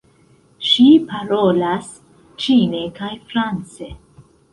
Ŝi parolas ĉine kaj france.